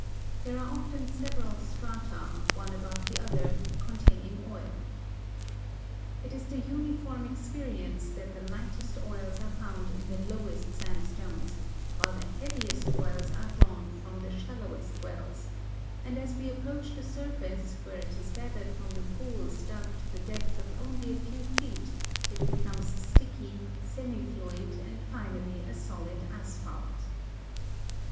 There are often several strata, one above the other, containing oil. It is the uniform experience that the lightest oils are found in the lowest sandstones, while the heaviest oils are drawn from the shallowest wells; and as we approach the surface where it is gathered from the pools dug to the depth of only a few feet, it becomes sticky, semi fluid, and finally a solid asphalt.